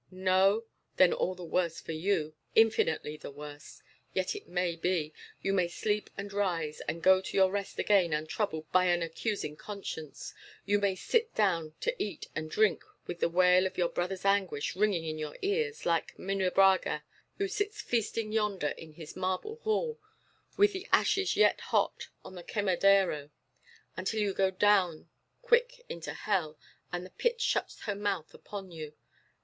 "No? Then all the worse for you infinitely the worse. Yet it may be. You may sleep and rise, and go to your rest again untroubled by an accusing conscience. You may sit down to eat and drink with the wail of your brother's anguish ringing in your ears, like Munebrãga, who sits feasting yonder in his marble hall, with the ashes yet hot on the Quemadero. Until you go down quick into hell, and the pit shuts her mouth upon you.